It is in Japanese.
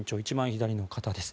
左の方です。